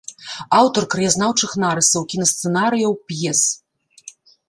Аўтар краязнаўчых нарысаў, кінасцэнарыяў, п'ес.